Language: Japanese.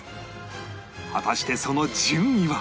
果たしてその順位は